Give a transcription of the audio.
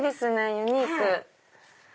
ユニーク。